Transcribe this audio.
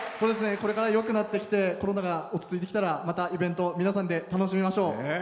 これからよくなってきてコロナが落ち着いてきたら皆さんでイベント、楽しみましょう！